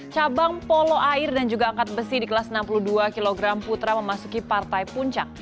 cabang polo air dan juga angkat besi di kelas enam puluh dua kg putra memasuki partai puncak